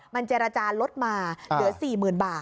มันเจรจารดมาเดี๋ยว๔๐๐๐๐บาท